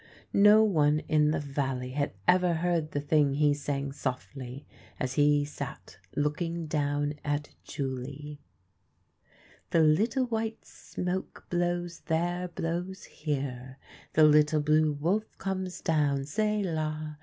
No one in the valley had ever heard the thing he sang softly as he sat look ing down at Julie: " The little white smoke blows there, blows here, The little blue wolf comes down — Ccsl la